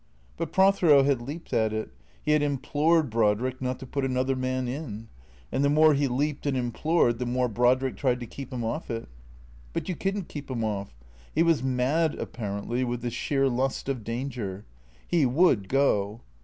But Prothero had leaped at it; he had implored Brodriek not to put another man in ; and the more he leaped and implored the more Brodriek tried to keep him off it. But you could n't keep him off. He was mad, apparently, with the sheer lust of danger. He would go.